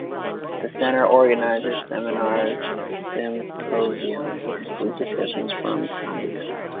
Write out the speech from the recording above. The center organizes seminars, symposiums and group discussions from time to time.